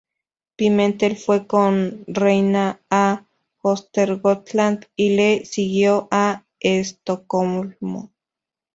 Pimentel fue con reina a Östergötland y le siguió a Estocolmo.